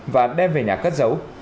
và đem về nhà cất giấu